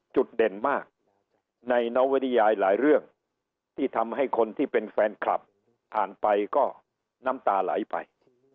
จุดเด่นมากในนวิทยายหลายเรื่องที่ทำให้คนที่เป็นแฟนคลับอ่านไปก็น้ำตาไหลไป